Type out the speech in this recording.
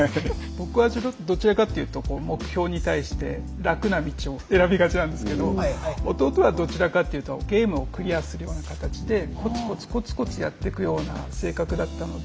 僕はどちらかっていうと目標に対して楽な道を選びがちなんですけど弟はどちらかっていうとゲームをクリアするような形でコツコツコツコツやってくような性格だったので。